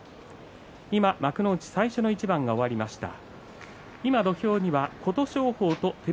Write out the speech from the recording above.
幕内最初の一番が終わりました。